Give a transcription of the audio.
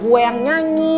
gue yang nyanyi